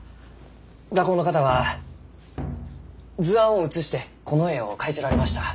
画工の方は図案を写してこの絵を描いちょられました。